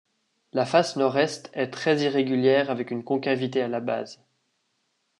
La face nord-est est très irrégulière avec une concavité à la base.